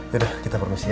yaudah kita permisi ya